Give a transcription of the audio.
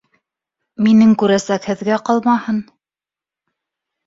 Минең күрәсәк һеҙгә ҡалмаһын!